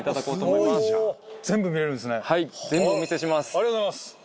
ありがとうございます！